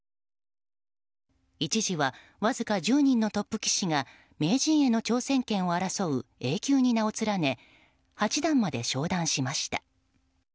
一時はわずか１０人のトップ棋士が名人への挑戦権を争うＡ級に名を連ね八段まで昇段しました。